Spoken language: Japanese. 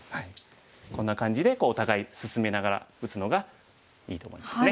こんな感じでお互い進めながら打つのがいいと思いますね。